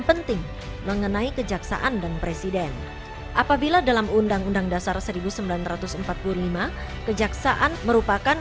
penting mengenai kejaksaan dan presiden apabila dalam undang undang dasar seribu sembilan ratus empat puluh lima kejaksaan merupakan